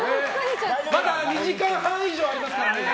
まだ２時間半以上ありますからね。